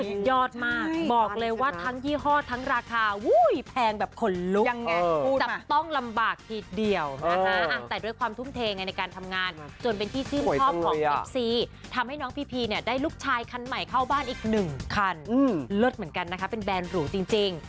สุดยอดมากบอกเลยว่าทั้งยี่ห้อทั้งราคาแพงแบบขนลุกจับต้องลำบากทีเดียวนะคะแต่ด้วยความทุ่มเทไงในการทำงานจนเป็นที่ชื่นชอบของเอฟซีทำให้น้องพีพีเนี่ยได้ลูกชายคันใหม่เข้าบ้านอีกหนึ่งคันเลิศเหมือนกันนะคะเป็นแบรนดหรูจริง